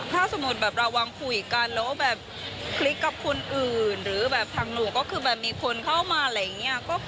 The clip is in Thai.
ถ้าสมมุติแบบระวังคุยกันแล้วแบบคลิกกับคนอื่นหรือแบบทางหนูก็คือแบบมีคนเข้ามาอะไรอย่างนี้